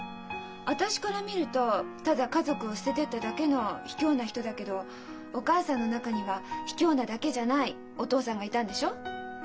私から見るとただ家族を捨ててっただけのひきょうな人だけどお母さんの中にはひきょうなだけじゃないお父さんがいたんでしょ？